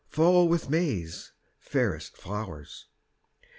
Follow with May's fairest flowers.